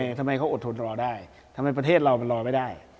ทำไมเขาอดทนรอได้ทำไมประเทศเรามันรอไม่ได้